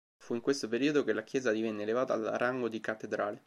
Fu in questo periodo che la chiesa venne elevata al rango di cattedrale.